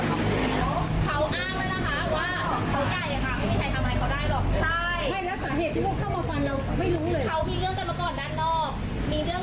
เขาอ้างแล้วนะคะว่าเข้าใจนะครับไม่ใช่ทำไมเขาได้หรอกใช่